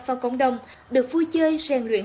vào cộng đồng được vui chơi rèn luyện